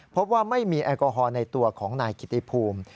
พบว่าไม่มีแอลกอฮอลในตัวของนายกิติภูมิ